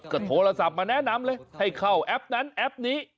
ก็โทรศัพท์มาแนะนำเลยให้เข้าแอปนั้นแอปนี้